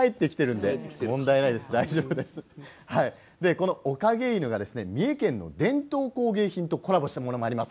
このおかげ犬が三重県の伝統工芸品とコラボしたものもあります。